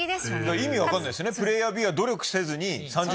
意味分かんないですよね。